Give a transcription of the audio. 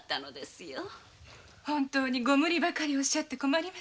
本当にご無理ばかりおっしゃられて。